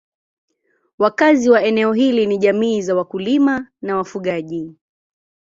Wakazi wa eneo hili ni jamii za wakulima na wafugaji.